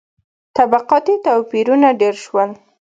• طبقاتي توپیرونه ډېر شول.